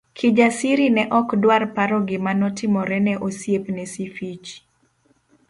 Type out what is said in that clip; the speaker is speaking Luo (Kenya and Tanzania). Kijasiri ne ok dwar paro gima notimore ne osiepne Sifichi.